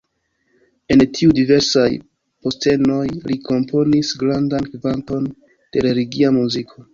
En tiuj diversaj postenoj li komponis grandan kvanton de religia muziko.